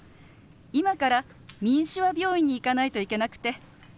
今からみんしゅわ病院に行かないといけなくて。